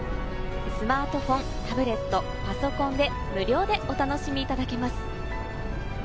スマートフォン、タブレット、パソコンで無料でお楽しみいただけます。